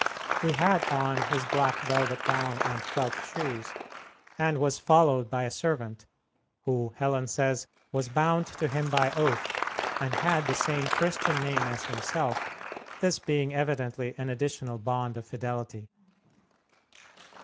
He had on his black velvet gown and felt shoes, and was followed by a servant, who, Helen says, was bound to him by oath, and had the same Christian name as himself, this being evidently an additional bond of fidelity.